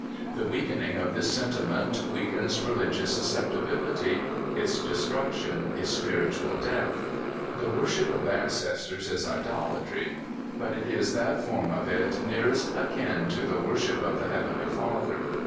. The weaken ing of this sentiment weakens religious suscepti bility; its destruction is spiritual death. The worship of ancestors is idolatry, but it is that form of it nearest akin to the worship of the Heavenly Father.